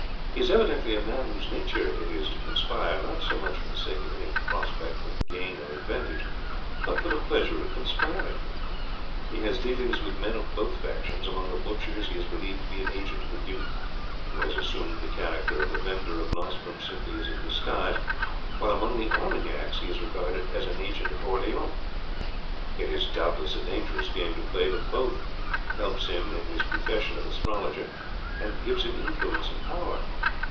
He is evidently a man whose nature it is to conspire, not so much for the sake of any prospect of gain or advantage, but for the pleasure of conspiring. He has dealings with men of both factions. Among the butchers he is believed to be an agent of the duke, who has assumed the character of a vendor of nostrums simply as a disguise, while among the Armagnacs he is regarded as an agent of Orleans. It is doubtless a dangerous game to play, but it both helps him in his profession of astrologer and gives him influence and power.